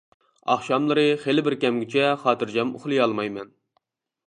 ئاخشاملىرى خىلى بىر كەمگىچە خاتىرجەم ئۇخلىيالمايمەن.